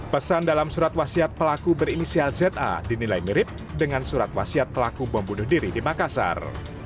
pesan dalam surat wasiat pelaku berinisial za dinilai mirip dengan surat wasiat pelaku bom bunuh diri di makassar